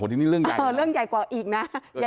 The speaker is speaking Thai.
โหนี่เรื่องใหญ่กว่าอีกนะ